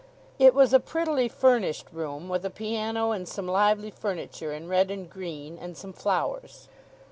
It was a prettily furnished room, with a piano and some lively furniture in red and green, and some flowers.